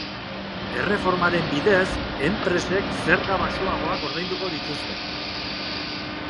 Erreformaren bidez, enpresek zerga baxuagoak ordainduko dituzte.